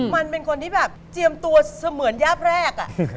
มันเป็นคนที่แบบเจียมตัวเสมือนยาบแรก